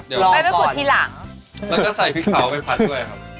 แล้วก็ใส่พริกขาวไปพัดด้วยครับ